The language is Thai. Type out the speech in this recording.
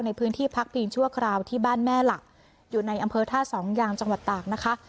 ในพื้นที่พักพิงชั่วคราวที่บ้านแม่หลักอยู่ในอำเภอท่าสองยางจังหวัดตากนะคะ